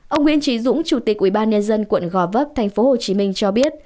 ông nguyễn trí dũng chủ tịch ubnd quận gò vấp tp hcm cho biết